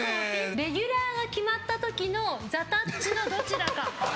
レギュラーが決まった時のザ・たっちのどちらか。